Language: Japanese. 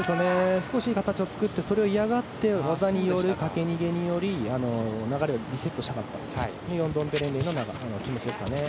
少し形を作ってそれを嫌がって技によるかけ逃げにより流れをリセットしたかったというのがヨンドンペレンレイの気持ちですかね。